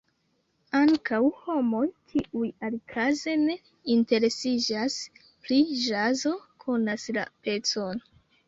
Ankaŭ homoj, kiuj alikaze ne interesiĝas pri ĵazo, konas la pecon.